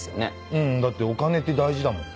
うんだってお金って大事だもん。